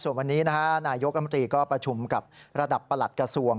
ส่วนวันนี้นะฮะนายกรมตรีก็ประชุมกับระดับประหลัดกระทรวง